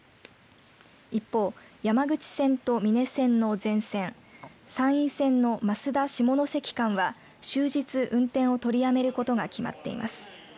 一方、山口線と美祢線の全線山陰線の益田、下関間は終日運転を取りやめることが決まっています。